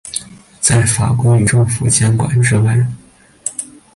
在法规与政府监管之外。